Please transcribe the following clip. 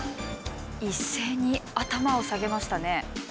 一斉に頭を下げましたね。